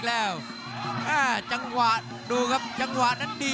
รับทราบบรรดาศักดิ์